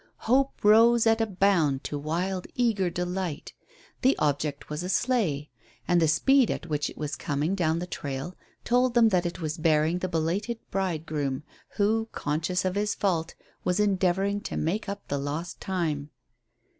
Hope rose at a bound to wild, eager delight. The object was a sleigh. And the speed at which it was coming down the trail told them that it was bearing the belated bridegroom, who, conscious of his fault, was endeavouring to make up the lost time.